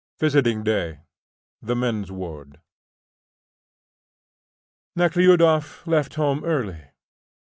VISITING DAY THE MEN'S WARD. Nekhludoff left home early.